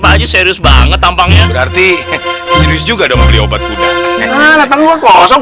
pak haji serius banget tampangnya berarti serius juga dong beli obat kuda nah lah tangguh kosong